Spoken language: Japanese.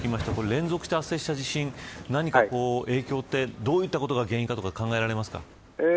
連続して発生した地震何か影響ってどういったことが原因とか考えられますか。